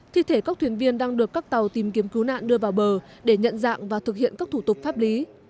thi thể các thuyền viên đang được các tàu tìm kiếm cứu nạn đưa vào bờ để nhận dạng và thực hiện các thủ tục pháp lý